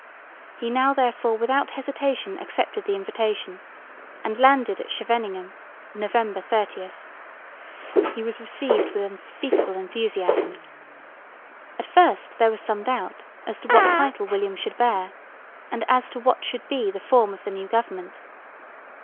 He now therefore without hesitation accepted the invitation, and landed at Scheveningen, November 30. He was received with unspeakable enthusiasm. At first there was some doubt as to what title William should bear and as to what should be the form of the new government.